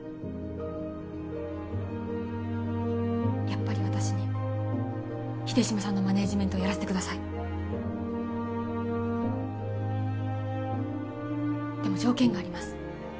やっぱり私に秀島さんのマネージメントをやらせてくださいでも条件があります